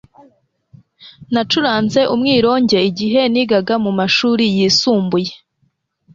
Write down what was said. Nacuranze umwironge igihe nigaga mu mashuri yisumbuye